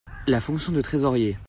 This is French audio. La fonction de trésorier.